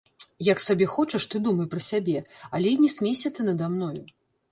Як сабе хочаш ты думай пра сябе, але не смейся ты нада мною.